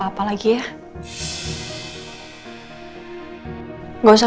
apabila mau hidup